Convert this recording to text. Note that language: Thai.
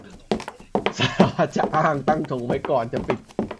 สารพัดจะอ้าง - ตั้งธงไว้ก่อนว่าจะปิด